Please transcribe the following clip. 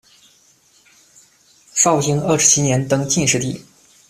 绍兴二十七年登进士第。